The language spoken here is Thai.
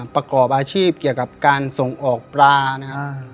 ประกอบอาชีพเกี่ยวกับการส่งออกปลานะครับ